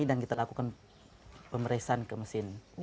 dan kita lakukan pemeriksaan ke mesin